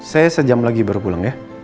saya sejam lagi baru pulang ya